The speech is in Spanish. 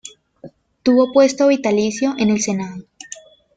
Tuvo puesto vitalicio en el Senado.